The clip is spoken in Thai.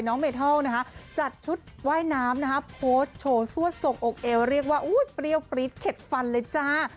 เมทัลนะคะจัดชุดว่ายน้ำนะฮะโพสต์โชว์ซวดทรงอกเอวเรียกว่าเปรี้ยวปรี๊ดเข็ดฟันเลยจ้า